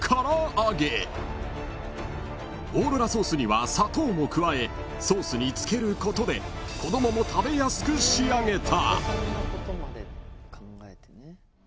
［オーロラソースには砂糖も加えソースに付けることで子供も食べやすく仕上げた］